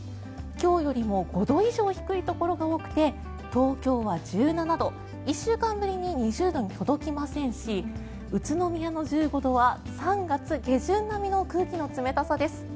今日よりも５度以上低いところが多くて東京は１７度、１週間ぶりに２０度に届きませんし宇都宮の１５度は３月下旬の空気の冷たさです。